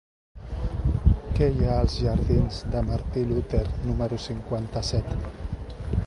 Què hi ha als jardins de Martí Luter número cinquanta-set?